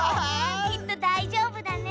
きっとだいじょうぶだね。